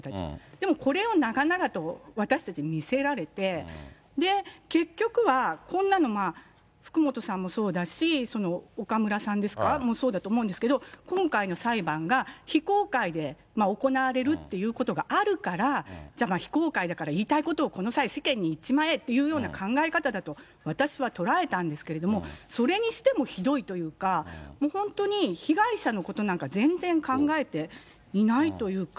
でもこれを長々と、私たち見せられて、結局は、こんなのまあ、福本さんもそうだし、岡村さんですか、も、そうだと思うんですけど、今回の裁判が非公開で行われるということがあるから、非公開だから言いたいことをこの際、世間に言っちまえという考え方だと、私は捉えたんですけれども、それにしてもひどいというか、もう本当に被害者のことなんか全然考えていないというか。